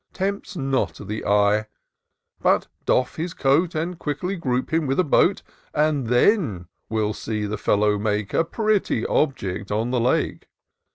Tempts not the eye ; but, doff his coat,. And quickly group him with a boat. You then will see the fellow make A pretty object on the Lake.